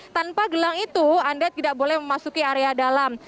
tanpa gelang itu anda tidak boleh memasuki area dalam